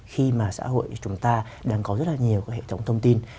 khi mà xã hội chúng ta đang có rất nhiều hệ thống thông tin